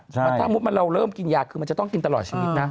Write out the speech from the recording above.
ถ้าเราเริ่มกินยาคือมันจะต้องกินตลอดชีวิตนะ